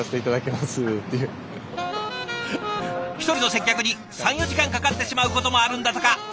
１人の接客に３４時間かかってしまうこともあるんだとか。